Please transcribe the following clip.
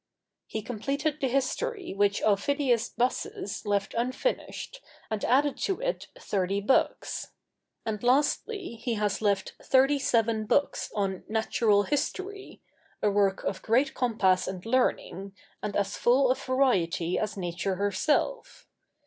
He completed the history which Aufidius Bassus left unfinished, and added to it thirty books. And lastly he has left thirty seven books on Natural History, a work of great compass and learning, and as full of variety as nature herself.